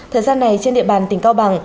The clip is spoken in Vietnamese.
thời gian này trên địa bàn tỉnh cao bằng